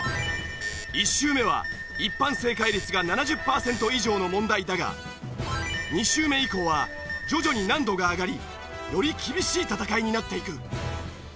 １周目は一般正解率が７０パーセント以上の問題だが２周目以降は徐々に難度が上がりより厳しい戦いになっていく。